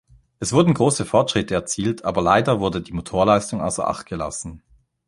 Es wurden große Fortschritte erzielt, aber leider wurde die Motorleistung außer Acht gelassen.